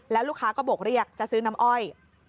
แล้วลูกค้าก็บกเรียกจะซื้อน้ำอ้อย